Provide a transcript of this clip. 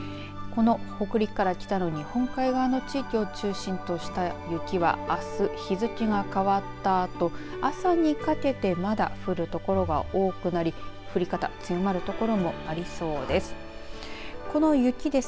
この北陸から北の日本海側の地域を中心とした雪は、あす日付が変わったあと朝にかけてまだ降る所が多くなり降り方強まる所もありそうです。